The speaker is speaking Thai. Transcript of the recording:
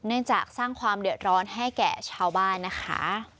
จากสร้างความเดือดร้อนให้แก่ชาวบ้านนะคะ